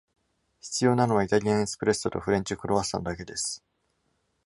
必要なのは、イタリアンエスプレッソとフレンチクロワッサンだけです。